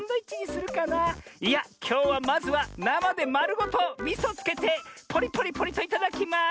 いやきょうはまずはなまでまるごとみそつけてポリポリポリといただきます！